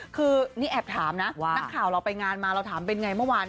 คือนี่แอบถามนะว่านักข่าวเราไปงานมาเราถามเป็นไงเมื่อวาน